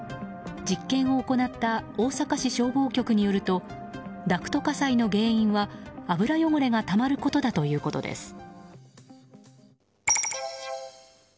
実験を行った大阪市消防局によるとダクト火災の原因は油汚れがたまることだということです。